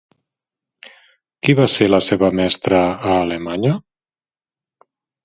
Qui va ser la seva mestra a Alemanya?